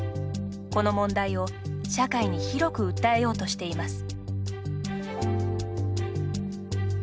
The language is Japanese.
この問題を社会に広く訴えようとしています。